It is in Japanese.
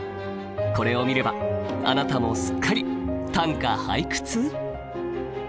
これを見ればあなたもすっかり短歌・俳句通！？